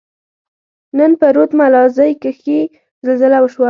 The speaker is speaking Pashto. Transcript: نن په رود ملازۍ کښي زلزله وشوه.